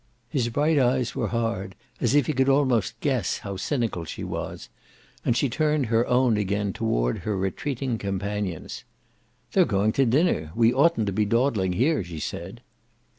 His bright eyes were hard, as if he could almost guess how cynical she was, and she turned her own again toward her retreating companions. "They're going to dinner; we oughtn't to be dawdling here," she said.